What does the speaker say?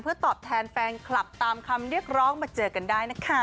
เพื่อตอบแทนแฟนคลับตามคำเรียกร้องมาเจอกันได้นะคะ